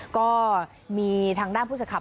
ก็มีทางด้านผู้จัดข่าว